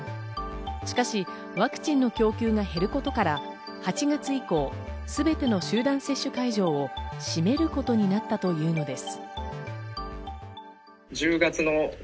しかし、ワクチンの供給が減ることから、８月以降全ての集団接種会場を閉めることになったというのです。